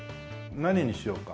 何にしようか。